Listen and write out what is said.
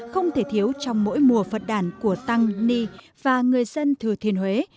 không thể thiếu trong mỗi mùa phật đàn của tăng ni và người dân thừa thiên huế